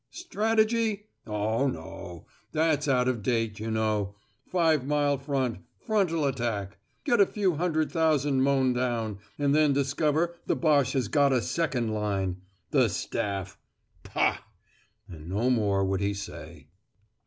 Strategy? Oh, no! That's out of date, you know. Five mile front frontal attack. Get a few hundred thousand mown down, and then discover the Boche has got a second line. The Staff. Pah!!" And no more would he say.